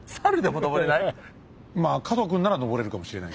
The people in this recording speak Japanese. まあ加藤君なら登れるかもしれない。